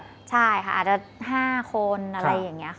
อาจจะ๕คนอะไรอย่างนี้ค่ะ